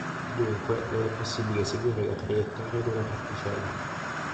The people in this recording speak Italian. Dunque non è possibile seguire la traiettoria di una particella.